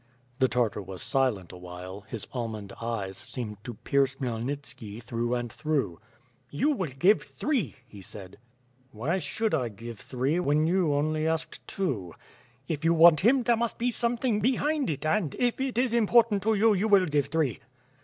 The Tartar was silent awhile; his almond eyes seemed to pierce Khmyelnitski through and through: "You will give three," he said. "Why should I give three, when you only asked two?" "If you want him, there must be something behind it and, if it is important to you, you will give three."